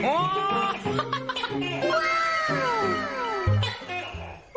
เป็นการปกป้อง